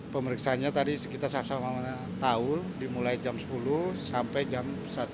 pemeriksaannya tadi sekitar setahun setahun dimulai jam sepuluh sampai jam empat belas